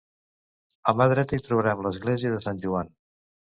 A mà dreta hi trobarem l'església de Sant Joan.